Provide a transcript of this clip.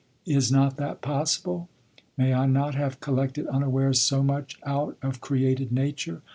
Is not that possible? May I not have collected unawares so much out of created nature?